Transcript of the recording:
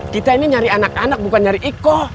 kita ini nyari anak anak bukan nyari iko